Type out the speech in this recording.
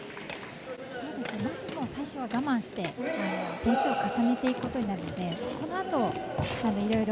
最初は我慢して点数を重ねていくことになるのでそのあと、いろいろ。